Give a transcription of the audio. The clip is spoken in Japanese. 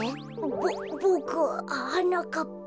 ボボクははなかっぱ。